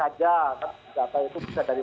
saja data itu bisa dari